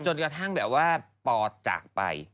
จนกระทั่งแบบว่าปอจากไป